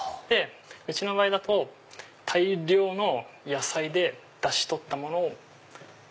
うちの場合だと大量の野菜でダシ取ったものを。